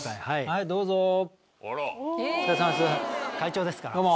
はいどうぞ。